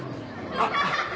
あっ。